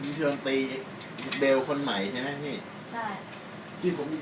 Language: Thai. ไอคนที่ดังตีเบลคนใหม่ใช่ไหมพี่